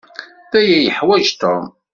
D aya i yeḥwaj Tom.